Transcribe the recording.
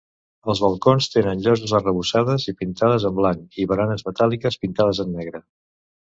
Els balcons tenen lloses arrebossades i pintades en blanc, i baranes metàl·liques pintades en negre.